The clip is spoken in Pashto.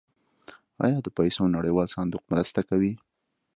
آیا د پیسو نړیوال صندوق مرسته کوي؟